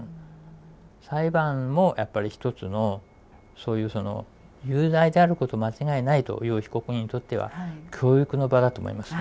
裁判もやっぱり一つのそういうその有罪であること間違いないという被告人にとっては教育の場だと思います。